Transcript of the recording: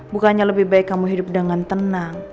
bukannya lebih baik kamu hidup dengan tenang